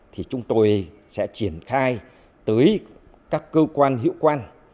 thì chúng tôi sẽ triển khai tới các cơ quan hiệu quan